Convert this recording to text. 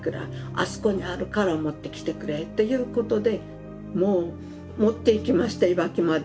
「あそこにあるから持ってきてくれ」ということでもう持っていきましたいわきまで。